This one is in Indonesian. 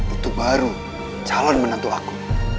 itu baru jalan menantu aku